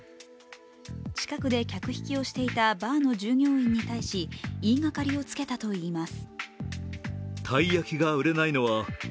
近くで客引きをしていたバーの従業員に対し、言いがかりをつけたといいます。